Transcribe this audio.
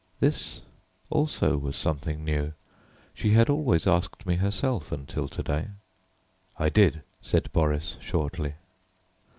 This also was something new. She had always asked me herself until to day. "I did," said Boris shortly.